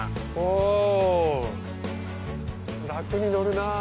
お楽に乗るなぁ。